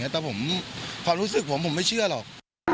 แต่ความรู้สึกผมผมไม่เชื่อหรอก